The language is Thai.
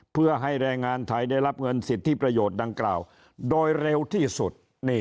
เพื่อให้แรงงานไทยได้รับเงินสิทธิประโยชน์ดังกล่าวโดยเร็วที่สุด